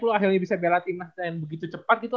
lu akhirnya bisa bela timnas yang begitu cepat gitu